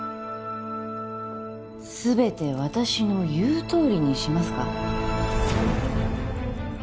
全て私の言うとおりにしますか？